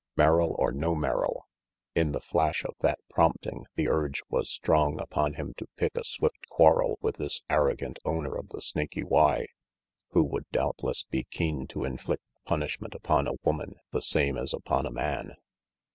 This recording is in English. Merrill or no Merrill! In the flash of that prompt ing the urge was strong upon him to pick a swift quarrel with this arrogant owner of the Snaky Y, who would doubtless be keen to inflict punishment upon a woman the same as upon a man.